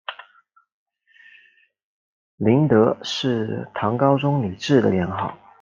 麟德是唐高宗李治的年号。